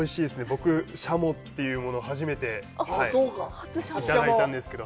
僕、しゃもというものを初めていただいたんですけど。